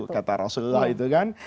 kata rasulullah itu kan